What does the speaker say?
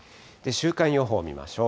週間予報見ましょう。